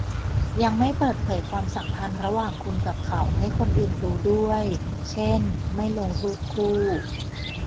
ยังไม่เปิดเผยความสัมพันธ์ระหว่างคุณกับเขาให้คนอื่นรู้ด้วย เช่น ไม่ลงรูปคู่